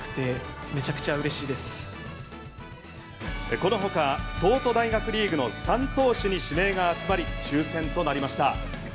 このほか東都大学リーグの３投手に指名が集まり抽選となりました。